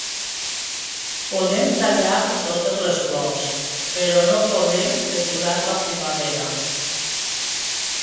Podem tallar totes les flors, però no podrem deturar la primavera.